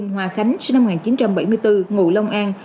hòa khánh sinh năm một nghìn chín trăm bảy mươi bốn ngụ long an